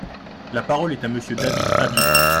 La parole est à Monsieur David Habib.